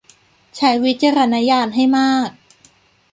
ใช้วิจารณญาณให้มาก